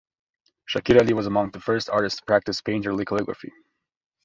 Shakir Ali was amongst the first artists to practice painterly calligraphy.